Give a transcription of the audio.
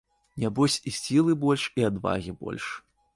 Нябось і сілы больш, і адвагі больш.